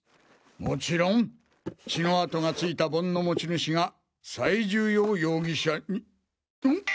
もちろん血の跡が付いた盆の持ち主が最重要容疑者にん！！